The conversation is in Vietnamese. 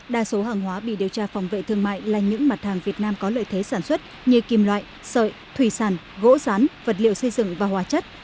đa số hàng hóa bị điều tra phòng vệ thương mại là những mặt hàng việt nam có lợi thế sản xuất như kim loại sợi thủy sản gỗ rán vật liệu xây dựng và hóa chất